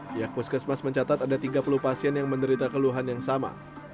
pihak puskesmas mencatat ada tiga puluh pasien yang menderita keluhan yang sama